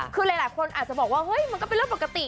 คือหลายคนอาจจะบอกว่าเฮ้ยมันก็เป็นเรื่องปกติ